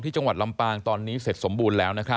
จังหวัดลำปางตอนนี้เสร็จสมบูรณ์แล้ว